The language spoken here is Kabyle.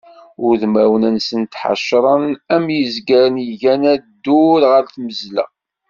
Udmawen-nsent ḥecṛen am yizgaren iggan adur ɣer tmezla.